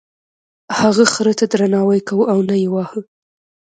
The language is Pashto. هغه خر ته درناوی کاوه او نه یې واهه.